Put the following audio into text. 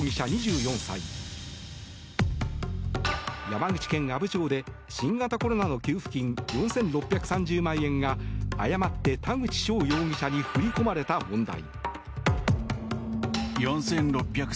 山口県阿武町で新型コロナの給付金４６３０万円が誤って田口翔容疑者に振り込まれた問題。